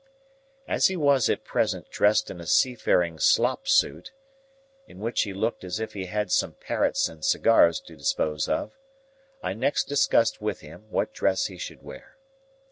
As he was at present dressed in a seafaring slop suit, in which he looked as if he had some parrots and cigars to dispose of, I next discussed with him what dress he should wear.